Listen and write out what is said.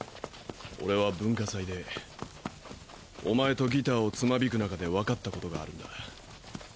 俺は文化祭でおまえとギターを爪弾く中でわかったことがあるんだ。